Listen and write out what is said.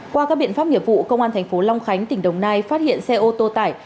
qua các biện pháp nghiệp vụ công an thành phố long khánh tỉnh đồng nai phát hiện xe ô tô tải